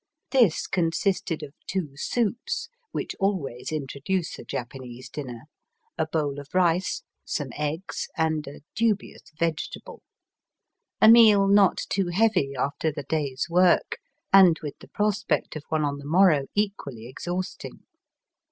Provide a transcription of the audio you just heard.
This consisted of two soups, which always introduce a Japanese dinner, a bowl of rice, some eggs, and a dubious vegetable ; a meal not too heavy after the day's work, and with the prospect of one on the morrow equally exhausting.